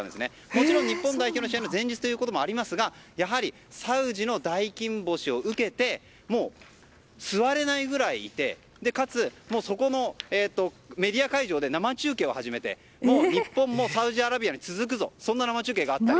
もちろん、日本代表の試合前日ということもありますがやはりサウジの大金星を受けて座れないぐらいいてかつ、そこのメディア会場で生中継を初めて日本もサウジアラビアに続くぞとそんな生中継があった。